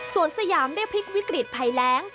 ส่วนสยามได้พลิกวิกฤตภัยแรง